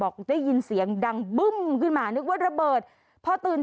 ได้ยินเสียงดังบึ้มขึ้นมานึกว่าระเบิดพอตื่น